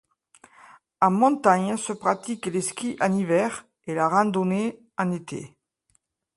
En montagne se pratiquent le ski en hiver et la randonnée en été.